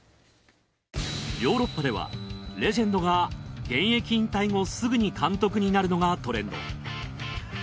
ヨーロッパではレジェンドが現役引退後すぐに監督になるのがトレンド。